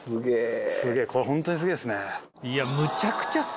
すげぇホントにすげぇっすね。